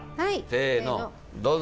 せのどうぞ。